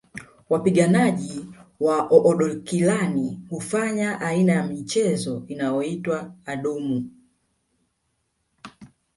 Wapiganaji wa Oodokilani hufanya aina ya michezo inayoitwa adumu